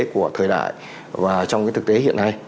của thời đại và trong thực tế hiện nay